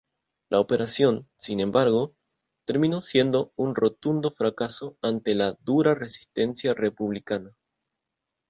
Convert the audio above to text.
La operación, sin embargo, terminó siendo un rotundo fracaso ante la dura resistencia republicana.